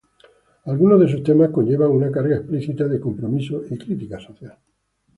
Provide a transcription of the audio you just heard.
Algunos de sus temas conllevan una carga explícita de compromiso y crítica social.